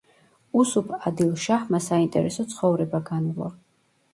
უსუფ ადილ შაჰმა საინტერესო ცხოვრება განვლო.